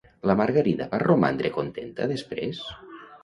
La Margarida va romandre contenta després?